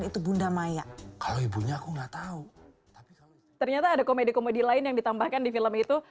ternyata ada komedi komedi lain yang ditambahkan di film itu